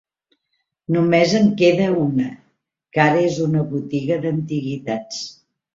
Només en queda una, que ara es una botiga d'antiguitats.